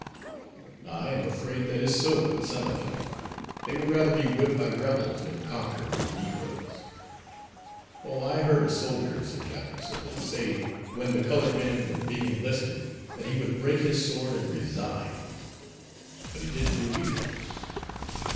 "I am afraid that is so with some of them. They would rather be whipped by Rebels than conquer with negroes. Oh, I heard a soldier," said Captain Sybil, "say, when the colored men were being enlisted, that he would break his sword and resign. But he didn't do either.